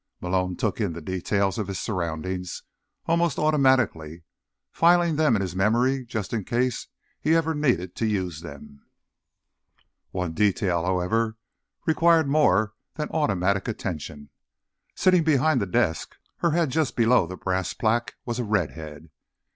Malone took in the details of his surroundings almost automatically, filing them in his memory just in case he ever needed to use them. One detail, however, required more than automatic attention. Sitting behind the desk, her head just below the brass plaque, was a redhead.